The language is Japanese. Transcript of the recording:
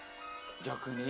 逆に？